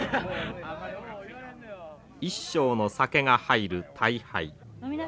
一升の酒が入る大杯。